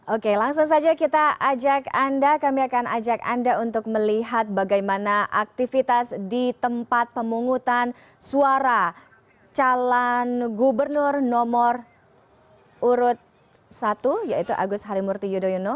oke langsung saja kita ajak anda kami akan ajak anda untuk melihat bagaimana aktivitas di tempat pemungutan suara calon gubernur nomor urut satu yaitu agus harimurti yudhoyono